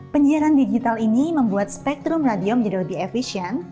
penyiaran digital ini membuat spektrum radio menjadi lebih efisien